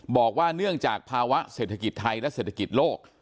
บอกว่าเนื่องจากภาวะเศรษฐกิจไทยและเศรษฐกิจโลก